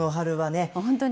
本当に。